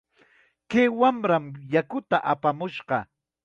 Kay wamram yakuta apamunqa.